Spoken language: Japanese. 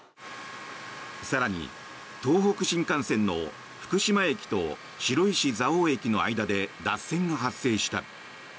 更に、東北新幹線の福島駅と白石蔵王駅の間で脱線が発生した。